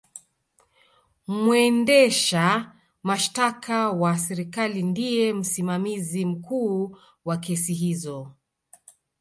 mwendesha mashtaka wa serikali ndiye msimamizi mkuu wa kesi hizo